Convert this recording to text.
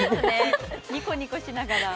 ニコニコしながら。